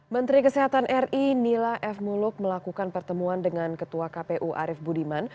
menteri kesehatan ri nila f muluk melakukan pertemuan dengan ketua kpu arief budiman